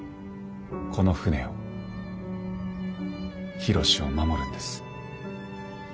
この船を緋炉詩を守るんです。